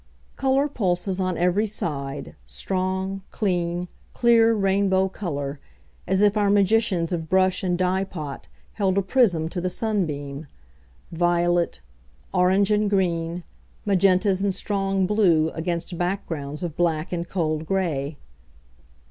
Colour pulses on every side, strong, clean, clear rainbow colour, as if our magicians of brush and dye pot held a prism to the sun beam; violet, orange and green, magentas and strong blue against backgrounds of black and cold grey.